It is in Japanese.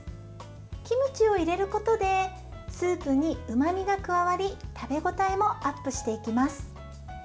キムチを入れることでスープにうまみが加わり食べ応えもアップしていきます。